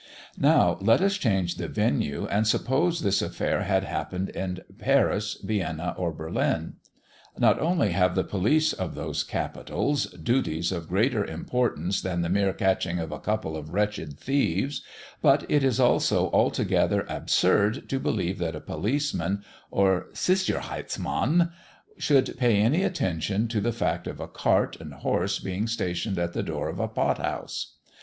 Now let us change the venue, and suppose this affair had happened in Paris, Vienna, or Berlin. Not only have the police of those capitals duties of greater importance than the mere catching of a couple of wretched thieves, but it is also altogether absurd to believe that a policeman or "Sicherheitsmann" should pay any attention to the fact of a cart and horse being stationed at the door of a pot house.